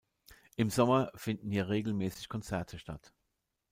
Im Sommer finden hier regelmäßig Konzerte statt.